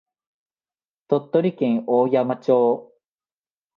鳥取県大山町